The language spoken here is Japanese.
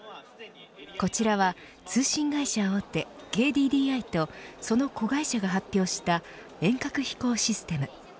こちらは通信会社大手ＫＤＤＩとその子会社が発表した遠隔飛行システム。